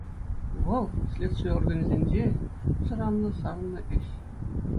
Вӑл — следстви органӗсенче шутсӑр анлӑ сарӑлнӑ ĕç.